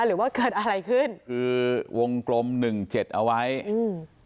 หรือว่าเกิดอะไรขึ้นคือวงกลมหนึ่งเจ็ดเอาไว้อืม